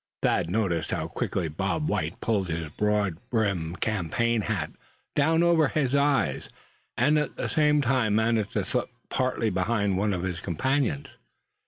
Thad noticed how quickly Bob White pulled his broad brimmed campaign hat down over his eyes; and at the same time managed to slip partly behind one of his companions.